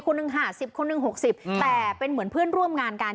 คนหนึ่ง๕๐คนหนึ่ง๖๐แต่เป็นเหมือนเพื่อนร่วมงานกัน